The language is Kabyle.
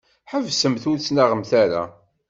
Ḥebsemt ur ttnaɣemt ara.